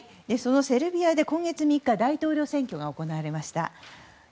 セルビアで今月３日大統領選挙が行われました。